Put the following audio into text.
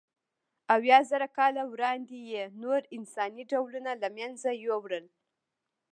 اویازره کاله وړاندې یې نور انساني ډولونه له منځه یووړل.